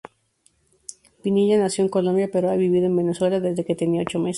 Pinilla nació en Colombia, pero ha vivido en Venezuela desde que tenía ocho meses.